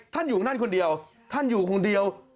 ท่านอยู่นั่นคนเดียวท่านอยู่คนเดียว